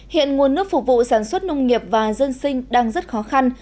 hiện nguồn nước phục vụ sản xuất nông nghiệp và dân sinh đang rất khó khăn